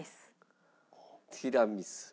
ティラミス。